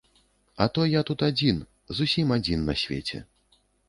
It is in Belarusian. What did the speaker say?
А то я тут адзін, зусім адзін на свеце.